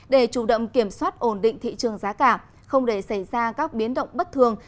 để chủ động kiểm soát ổn định thị trường giá cả không để xảy ra các biến động bất thường